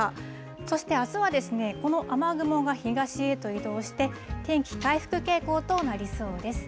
そしてあすは、この雨雲が東へと移動して、天気回復傾向となりそうです。